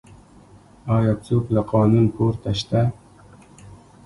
آیا څوک له قانون پورته شته؟